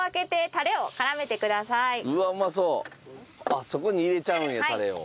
あっそこに入れちゃうんやタレを。